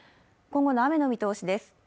今後の雨の見通しです。